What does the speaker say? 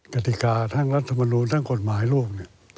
กติกาทั้งรัฐมนูลทั้งกฎหมายร่วม